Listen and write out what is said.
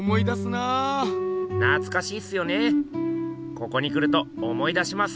ここに来ると思い出します。